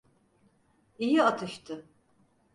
İyi atıştı.